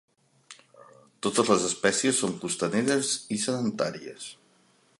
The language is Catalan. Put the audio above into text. Totes les espècies són costaneres i sedentàries.